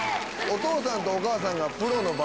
お父さんとお母さんが。